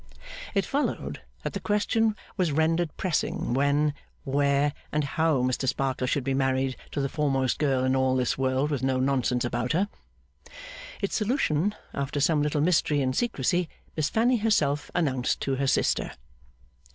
It followed that the question was rendered pressing when, where, and how Mr Sparkler should be married to the foremost girl in all this world with no nonsense about her. Its solution, after some little mystery and secrecy, Miss Fanny herself announced to her sister.